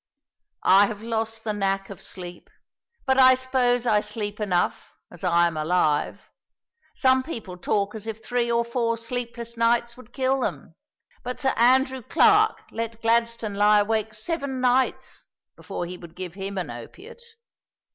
"I have lost the knack of sleep. But I suppose I sleep enough, as I am alive. Some people talk as if three or four sleepless nights would kill them; but Sir Andrew Clarke let Gladstone lie awake seven nights before he would give him an opiate."